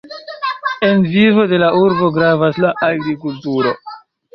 En vivo de la urbo gravas la agrikulturo.